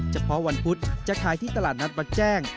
เฉพาะวันพุธจะขายที่ตลาดนัดวัดแจ้ง